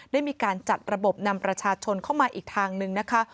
ได้มีการจัดระบบนำประชาชนเข้ามาอีกทางนึงนะคะ